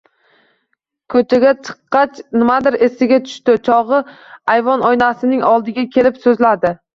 Ko`chaga chiqqach, nimadir esiga tushdi chog`i, ayvon oynasining oldiga kelib so`zladi